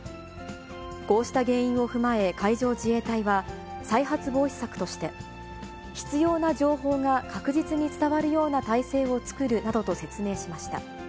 こうした原因を踏まえ海上自衛隊は再発防止策として、必要な情報が確実に伝わるような態勢を作るなどと説明しました。